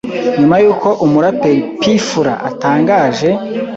Nyuma y’uko umuraperi P Fla atangaje